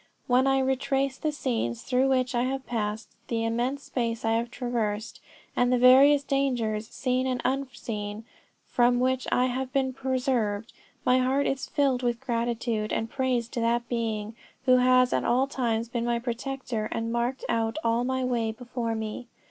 When I retrace the scenes through which I have passed, the immense space I have traversed, and the various dangers, seen and unseen, from which I have been preserved, my heart is filled with gratitude and praise to that Being, who has at all times been my protector and marked out all my way before me.